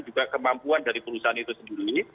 juga kemampuan dari perusahaan itu sendiri